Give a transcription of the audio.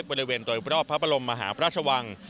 บริเวณตรวจบรอบพระบรมมหาพระชวัง